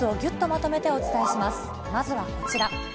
まずはこちら。